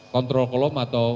kontrol kolom atau